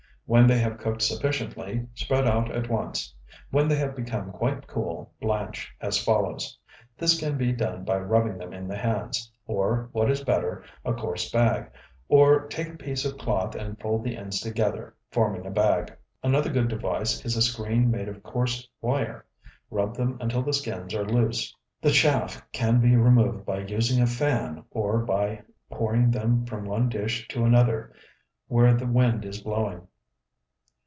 When they have cooked sufficiently, spread out at once. When they have become quite cool, blanch as follows: This can be done by rubbing them in the hands, or what is better, a coarse bag, or take a piece of cloth and fold the ends together, forming a bag. Another good device is a screen made of coarse wire. Rub them until the skins are loose. The chaff can be removed by using a fan or by pouring them from one dish to another where the wind is blowing.